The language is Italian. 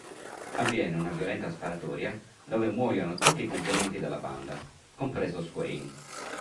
Avviene una violenta sparatoria dove muoiono tutti i componenti della banda compreso Swain.